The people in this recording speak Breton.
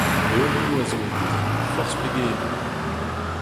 Levrioù a zo en e di, forzh pegement.